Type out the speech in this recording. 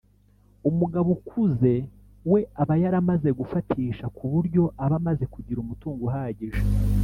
umugabo ukuze we aba yaramaze gufatisha ku buryo aba amaze kugira umutungo uhagije